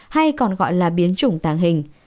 hay còn gọi là biến chủng tàng hình